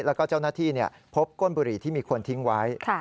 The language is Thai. แล้วก็เจ้าหน้าที่พบก้นบุหรี่ที่มีคนทิ้งไว้